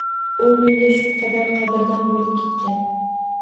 U menga shu qadar qadrdon boʻlib ketgan